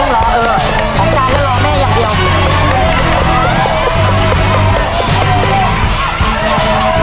ไม่ต้องรอเออสามจ้านแล้วรอแม่อย่างเดียว